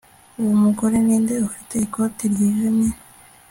Uwo mugore ninde ufite ikote ryijimye